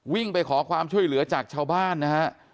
ไปขอความช่วยเหลือจากชาวบ้านนะฮะ